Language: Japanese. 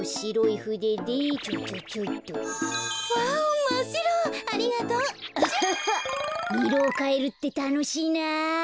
いろをかえるってたのしいな。